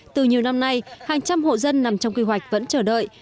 từ nhiều năm nay hàng trăm hộ dân nằm trong kế hoạch vẫn chờ đợi